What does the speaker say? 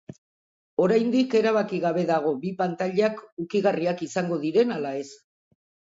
Oraindik erabaki gabe dago bi pantailak ukigarriak izango diren ala ez.